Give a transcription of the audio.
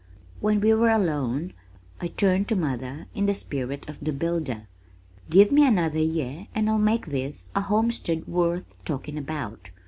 When we were alone I turned to mother in the spirit of the builder. "Give me another year and I'll make this a homestead worth talking about.